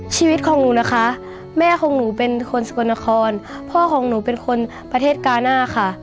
ชีวิตของหนูนะคะแม่ของหนูเป็นคนสกลนครพ่อของหนูเป็นคนประเทศกาหน้าค่ะ